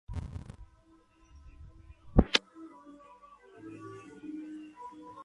La forma y área de la superficie se conservan iguales en las latitudes medias.